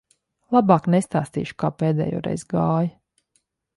Labāk nestāstīšu, kā pēdējoreiz gāja.